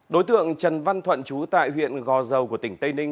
đối tượng trần văn thuận trú tại huyện gò dầu của tỉnh tây ninh